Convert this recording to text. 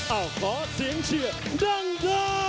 เอาฟ้าเชียงเชียร์ดัง